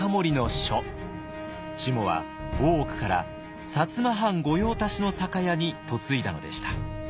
しもは大奥から薩摩藩御用達の酒屋に嫁いだのでした。